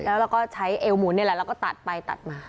แล้วเราก็ใช้เอวหมุนนี่แหละแล้วก็ตัดไปตัดมา